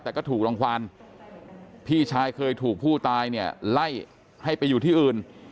แต่ก็ถูกรางวัลพี่ชายเคยถูกผู้ตายเนี่ยไล่ให้ไปอยู่ที่อื่น